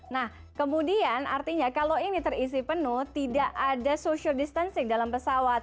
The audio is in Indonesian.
nah kemudian artinya kalau ini terisi penuh tidak ada social distancing dalam pesawat